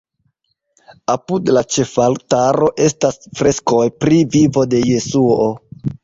Apud la ĉefaltaro estas freskoj pri vivo de Jesuo.